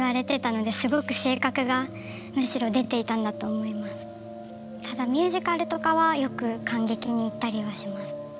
酔えなくてよく先生にもただミュージカルとかはよく観劇に行ったりはします。